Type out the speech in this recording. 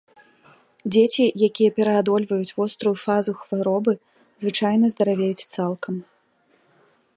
Дзеці, якія пераадольваюць вострую фазу хваробы, звычайна здаравеюць цалкам.